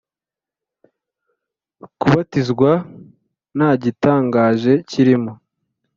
Kubatizwa nta gitangaje kirimo